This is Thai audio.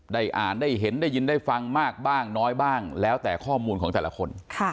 ได้อ่านได้เห็นได้ยินได้ฟังมากบ้างน้อยบ้างแล้วแต่ข้อมูลของแต่ละคน